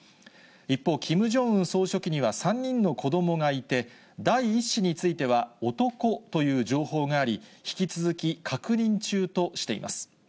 一方、キム・ジョンウン総書記には３人の子どもがいて、第１子については、男という情報があり、引き続き確認中としています。